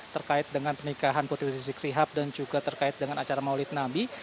terkait dengan pernikahan putri rizik sihab dan juga terkait dengan acara maulid nabi